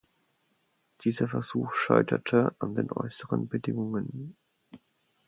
Dieser Versuch scheiterte an den äußeren Bedingungen.